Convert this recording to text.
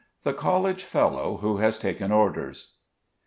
THE COLLEGE FELLOW WHO HAS TAKEN ORDERS.